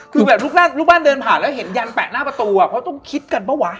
คือแบบลูกบ้านเดินผ่านแล้วเห็นยันแปะหน้าประตูอ่ะเพราะต้องคิดกันเปล่าวะ